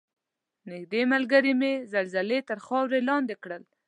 نږدې ملګرې مې زلزلې تر خاورو لاندې کړل.